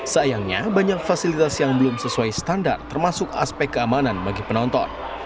sayangnya banyak fasilitas yang belum sesuai standar termasuk aspek keamanan bagi penonton